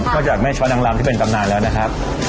จากแม่ช้อนังลำที่เป็นตำนานแล้วนะครับ